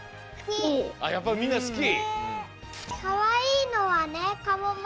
やっぱりみんなすき？